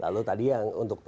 lalu tadi yang untuk